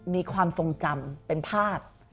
มีความทรงจำเป็นภาพ